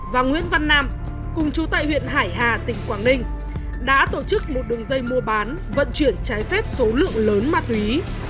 và nguyễn văn nam cùng chú tại huyện hải hà tỉnh quảng ninh đã tổ chức một đường dây mua bán vận chuyển trái phép số lượng lớn ma túy